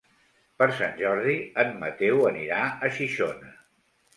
Per Sant Jordi en Mateu anirà a Xixona.